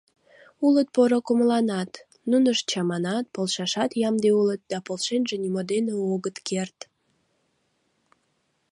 Улыт поро кумыланат: нунышт чаманат, полшашат ямде улыт, да полшенже нимо дене огыт керт.